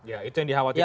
ya itu yang dikhawatirkan